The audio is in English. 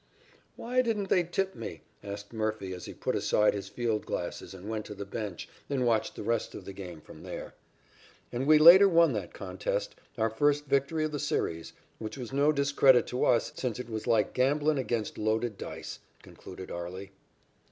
"'Why didn't they tip me?' asked Murphy as he put aside his field glasses and went to the bench and watched the rest of the game from there. And we later won that contest, our first victory of the series, which was no discredit to us, since it was like gamblin' against loaded dice," concluded "Arlie."